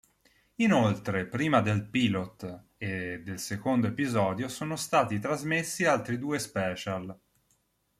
Inoltre prima del "pilot" e del secondo episodio sono stati trasmessi altri due special.